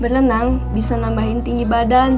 berenang bisa nambahin tinggi badan